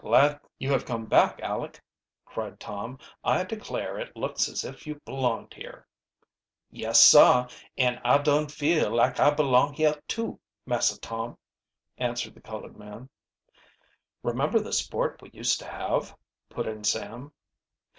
"Glad you have come, Aleck!" cried Tom. "I declare it looks as if you belonged here." "Yes, sah, an' I dun feel like I belong heah, too, Massah Tom," answered the colored man. "Remember the sport we used to have?" put in Sam.